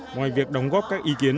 ngoài việc đóng góp các ý kiến